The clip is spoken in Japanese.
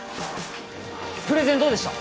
プレゼンどうでした？